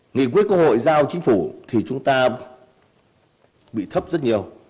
nghị quyết của hội giao chính phủ thì chúng ta bị thấp rất nhiều